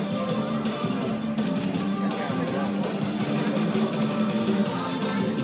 ตรงตรงตรงตรงตรง